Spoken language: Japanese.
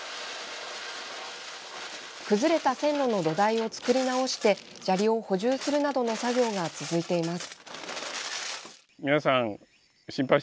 崩れた線路の土台を作り直して砂利を補充するなどの作業が続いています。